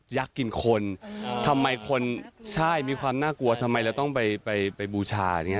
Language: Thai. อยากกินคนทำไมคนใช่มีความน่ากลัวทำไมเราต้องไปบูชาอย่างนี้